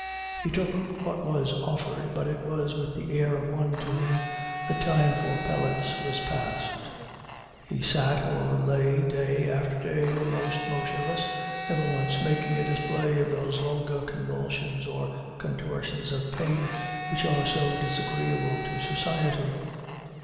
He took what was offered, but it was with the air of one to whom the time for pellets was passed. He sat or lay day after day almost motionless, never once making a display of those vulgar convulsions or contortions of pain which are so disagreeable to society.